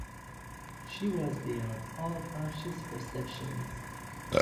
She was beyond all conscious perceptions.